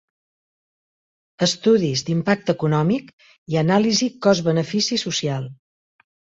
Estudis d'impacte econòmic i anàlisi cost-benefici social.